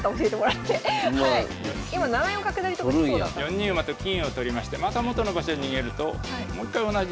４二馬と金を取りましてまた元の場所に逃げるともう一回同じ手がきますね。